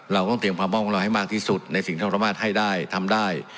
เราต้องเตรียมความพร้อมของเราให้มากที่สุดในสิ่งที่เราสามารถให้ได้ทำได้